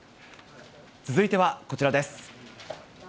続いてはこちらです。